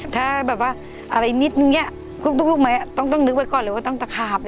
ถ้าแบบว่าอะไรนิดนึงลูกไหมต้องนึกไว้ก่อนเลยว่าต้องตะขาบ